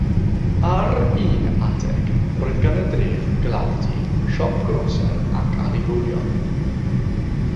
Ar un adeg, roedd gan y dref glafdy, siop groser ac ali fowlio.